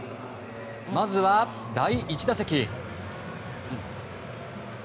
まずは第１打席。